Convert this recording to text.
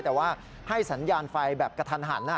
แต่ว่าให้สัญญาณไฟแบบกระทันหัน